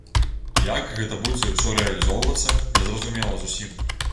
Як гэта будзе ўсё рэалізоўвацца, незразумела зусім.